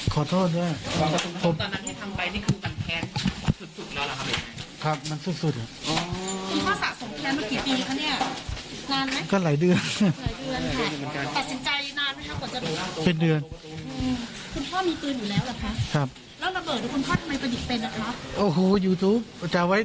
แล้วตกลงคุณพ่อตั้งใจจะไปยิงกับอายการ